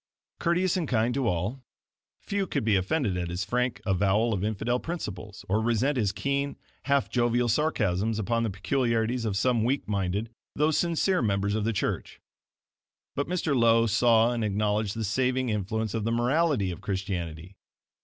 Courteous and kind to all, few could be offended at his frank avowal of infidel principles, or resent his keen, half jovial sarcasms upon the peculiarities of some weak minded, though sincere members of the church. But Mr. Lowe saw and acknowledged the saving influence of the MORALITY of Christianity.